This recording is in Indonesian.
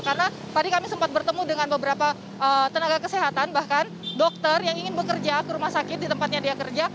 karena tadi kami sempat bertemu dengan beberapa tenaga kesehatan bahkan dokter yang ingin bekerja ke rumah sakit di tempatnya dia kerja